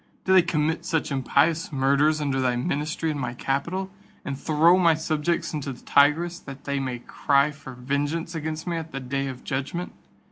Do they commit such impious murders under thy ministry in my capital, and throw my subjects into the Tigris, that they may cry for vengeance against me at the day of judgment?